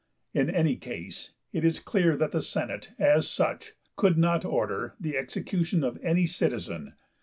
In any case, it is clear that the Senate, as such, could not order the execution of any citizen.